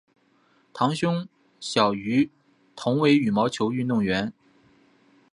堂兄于小渝同为羽毛球运动员。